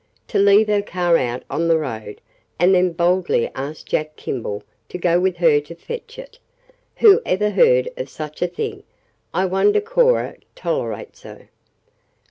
"To leave her car out on the road, and then boldly ask Jack Kimball to go with her to fetch it. Who ever heard of such a thing? I wonder Cora tolerates her."